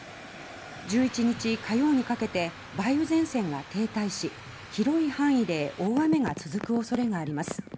１１日火曜にかけて梅雨前線が停滞し広い範囲で大雨が続くおそれがあります。